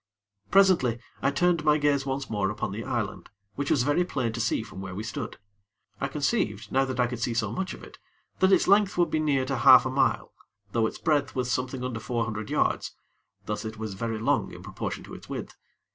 Presently, I turned my gaze once more upon the island, which was very plain to see from where we stood. I conceived, now that I could see so much of it, that its length would be near to half a mile, though its breadth was something under four hundred yards; thus it was very long in proportion to its width.